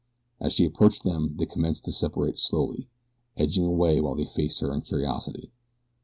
As she approached them they commenced to separate slowly, edging away while they faced her in curiosity.